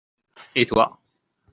Et toi ?